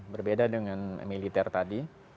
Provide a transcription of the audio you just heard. berbeda dengan militer tadi